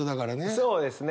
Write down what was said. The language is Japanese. そうですね。